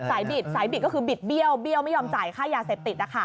บิดสายบิดก็คือบิดเบี้ยวเบี้ยวไม่ยอมจ่ายค่ายาเสพติด